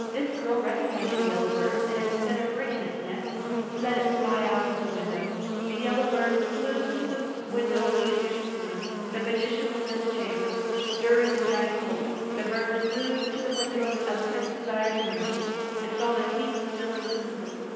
This girl recognized the yellow bird, and instead of wringing its neck, let it fly out of the window. The yellow bird flew to the window of the magician's room. The magician was in the chamber, stirring the giant cauldron. The bird flew to the window of Prince Desire's room, and saw that he was still insensible.